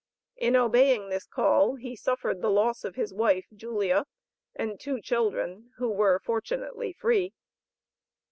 In obeying this call he suffered the loss of his wife, Julia, and two children, who were fortunately free.